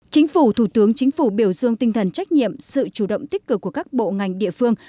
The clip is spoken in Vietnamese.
chính phủ thủ tướng chính phủ biểu dương tinh thần trách nhiệm sự chủ động tích cực của các bộ ngành địa phương